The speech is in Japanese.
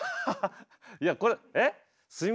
いやこれえ？え？